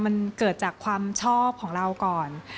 มันเกิดจากความชอบของเราก่อน